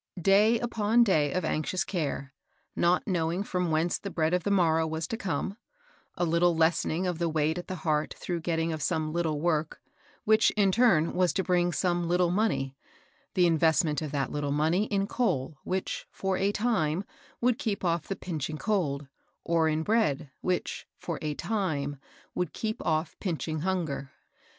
BAY upon day of anxious care, not knowing from whence the bread of the morrow was to come ; a little lessening of the weight at the heart through getting of some little work, which, in turn, was to bring some little money ; the investment of that little money in coal, which, for a time, would keep off the pinching cold, or in bread, which, for a time^ would keep off pinching hunger.